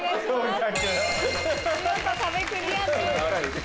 見事壁クリアです。